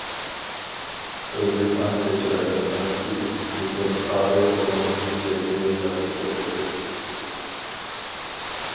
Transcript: ئۆزى ئانچە چىرايلىق ئەمەس ئىدى، لېكىن خارى ئۇنىڭ يۈز شەكلىنى ياخشى كۆرەتتى.